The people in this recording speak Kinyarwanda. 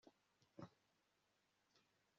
igomba kugirirwa umubiri usanga byarabase abantu